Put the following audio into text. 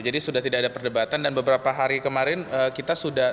jadi sudah tidak ada perdebatan dan beberapa hari kemarin kita sudah